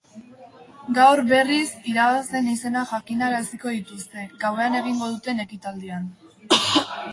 Gaur, berriz, irabazleen izenak jakinaraziko dituzte, gauean egingo duten ekitaldian.